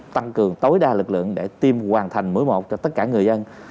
tăng cường tối đa lực lượng để tiêm hoàn thành mũi một cho tất cả người dân